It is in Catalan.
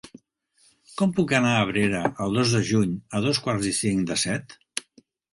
Com puc anar a Abrera el dos de juny a dos quarts i cinc de set?